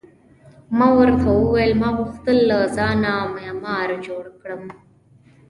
ما ورته وویل: ما غوښتل له ځانه معمار جوړ کړم.